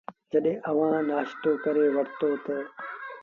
جڏهيݩٚ اُئآݩٚ نآشتو ڪري وٺتو تا